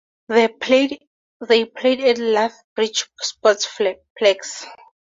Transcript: They played at the Lethbridge Sportsplex.